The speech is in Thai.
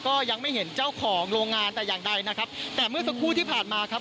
ก็ยังไม่เห็นเจ้าของโรงงานแต่อย่างใดนะครับแต่เมื่อสักครู่ที่ผ่านมาครับ